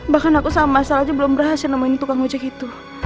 bahkan aku sama masalahnya belum berhasil nemuin tukang ojek itu